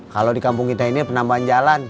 kalau di kampung kita ini penambahan jalan